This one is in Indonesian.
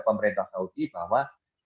pemerintah saudi bahwa